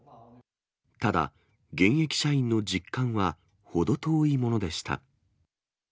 ただ、現役社員の実感は、程遠いものでした。